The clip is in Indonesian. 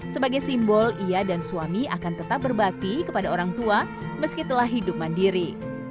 sebagai simbol ia dan suami akan tetap berbakti kepada orang tua meski telah hidup mandiri